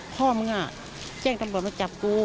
พ่อมึงแจ้งตำรวจมาจับกู